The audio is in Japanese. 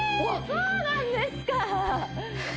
そうなんですか！